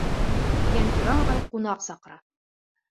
Йәнтүрә ағай ҡунаҡ саҡыра.